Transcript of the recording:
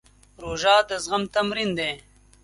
روژه د زغم تمرین دی.